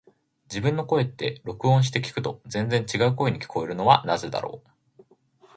自分の声って、録音して聞くと全然違う声に聞こえるのはなぜだろう。